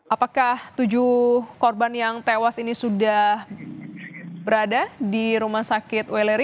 apakah tujuh korban yang tewas ini sudah berada di rumah sakit weleri